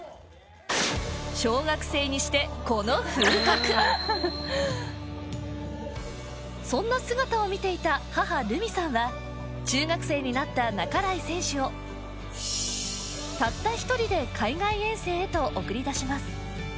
小学生にしてこの風格そんな姿を見ていた母・路美さんは中学生になった半井選手をたった一人で海外遠征へと送り出します